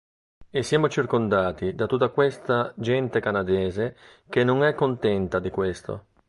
E siamo circondati da tutta questa gente canadese che non è contenta di questo.